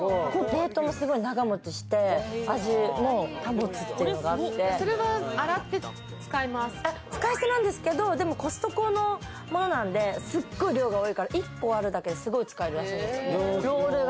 長持ちして、味も保つっていうのがあって、使い捨てなんですけれども、コストコのものなんで、すごく量が多いから、１個あるだけですごい使えるらしい。